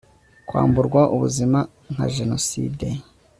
kwamburwa ubuzima nka jenoside